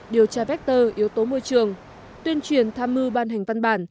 điều tra vector yếu tố môi trường tuyên truyền tham mưu ban hành văn bản